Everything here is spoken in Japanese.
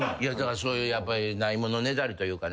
そういうやっぱりないものねだりというかね。